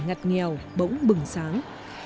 ngặt nghèo bỗng bừng sáng